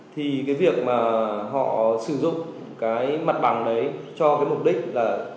thì cái việc mà họ sử dụng cái mặt bằng đấy cho cái mục đích là